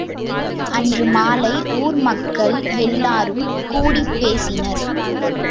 அன்று மாலை, ஊர் மக்கள் எல்லாரும் கூடினர்பேசினர்.